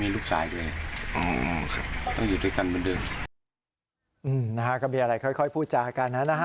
มีลูกสายด้วยต้องอยู่ด้วยกันเหมือนเดิม